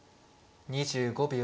２５秒。